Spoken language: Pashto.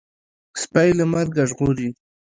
سپى له مرګه ژغوري.